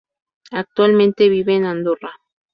Actualmente, vive en Andorra.